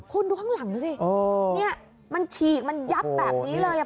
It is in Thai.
คุณดูข้างหลังดูสิเนี่ยมันฉีกมันยับแบบนี้เลยอ่ะ